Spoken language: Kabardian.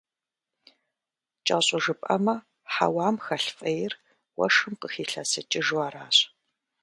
КӀэщӀу жыпӀэмэ, хьэуам хэлъ фӀейр уэшхым къыхилъэсыкӀыжу аращ.